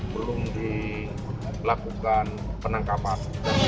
belum dilakukan penangkapan